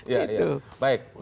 ya itu dia